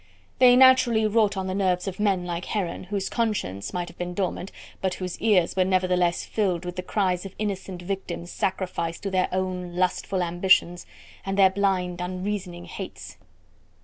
They naturally wrought on the nerves of men like Heron, whose conscience might have been dormant, but whose ears were nevertheless filled with the cries of innocent victims sacrificed to their own lustful ambitions and their blind, unreasoning hates.